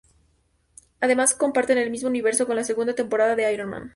Además comparte el mismo universo con la segunda temporada de Iron Man.